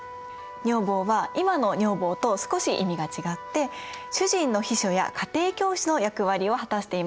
女房は今の女房と少し意味が違って主人の秘書や家庭教師の役割を果たしていました。